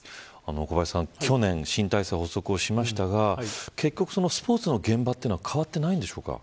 小林さん新体制が発足しましたが結局、スポーツの現場は変わっていないでしょうか。